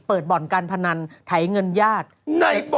บ่อนการพนันไถเงินญาติ